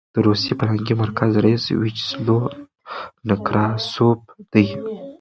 د روسي فرهنګي مرکز رییس ویچسلو نکراسوف دی.